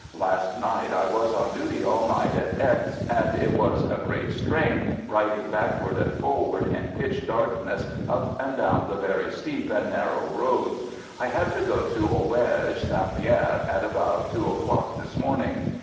Last night I was on duty all night at X , and FIELD SERVICE 37 it was a great strain riding backward and forward in pitch darkness up and down the very steep and narrow road. I had to go to Auberge St. Pierre at about two o'clock this morning.